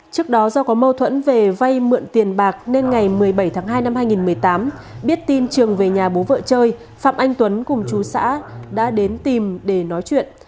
trước đó do có mâu thuẫn về vay mượn tiền bạc nên ngày một mươi bảy tháng hai năm hai nghìn một mươi tám biết tin trường về nhà bố vợ chơi phạm anh tuấn cùng chú xã đã đến tìm để nói chuyện